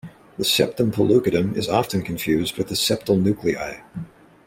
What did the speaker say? The septum pellucidum is often confused with the septal nuclei.